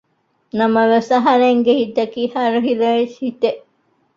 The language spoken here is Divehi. ނަމަވެސް އަހަރެންގެ ހިތަކީ ހަރުހިލަ ހިތެއް